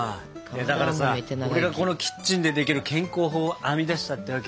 だからさ俺がこのキッチンでできる健康法を編み出したってわけよ。